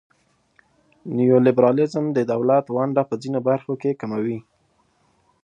نیولیبرالیزم د دولت ونډه په ځینو برخو کې کموي.